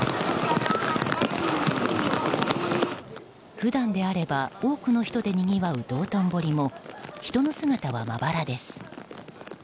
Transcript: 普段であれば多くの人でにぎわう道頓堀も人の姿はまばらです。